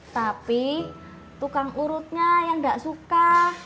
tapi tukang urutnya yang gak suka